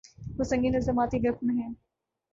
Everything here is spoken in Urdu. وہ سنگین الزامات کی گرفت میں ہیں۔